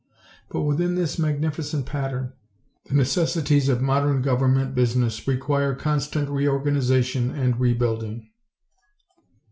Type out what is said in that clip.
But within this magnificent pattern, the necessities of modern government business require constant reorganization and rebuilding.